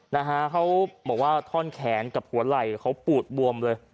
นะฮะเขาบอกว่าท่อนแขนกับหัวไหล่เขาปูดบวมเลย